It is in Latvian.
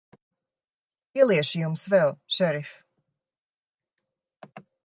Ieliešu Jums vēl, šerif.